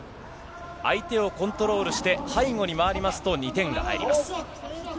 相手をコントロールして、背後に回りますと２点が入ります。